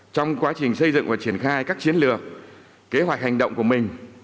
trong quá trình xây dựng và triển khai các chiến lược kế hoạch hành động của mình